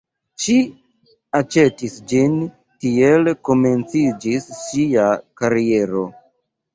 Ŝi aĉetis ĝin, tiel komenciĝis ŝia kariero.